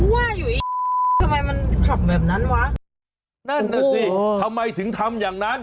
ว่าอยู่อีกทำไมมันขับแบบนั้นวะนั่นน่ะสิทำไมถึงทำอย่างนั้น